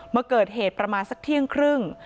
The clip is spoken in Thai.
มาเกิดเหตุประมาณสักเที่ยงครึ่ง